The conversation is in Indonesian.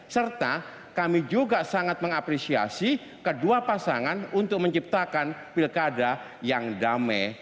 serta kami juga sangat mengapresiasi kedua pasangan untuk menciptakan pilkada yang damai